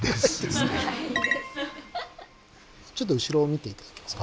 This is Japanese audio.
ちょっと後ろを見て頂けますか。